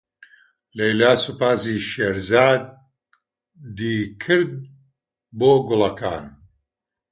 لەیلا سوپاسی شێرزاد کرد بۆ گوڵەکان.